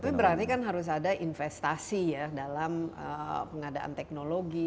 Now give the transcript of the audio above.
tapi berarti kan harus ada investasi ya dalam pengadaan teknologi